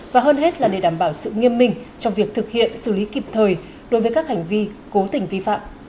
và hơn hết là để đảm bảo sự nghiêm minh trong việc thực hiện xử lý kịp thời đối với các hành vi cố tình vi phạm